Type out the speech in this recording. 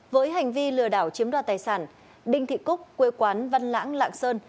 với hành vi lừa đảo chiếm đoạt tài sản đinh thị cúc quê quán văn lãng lạng sơn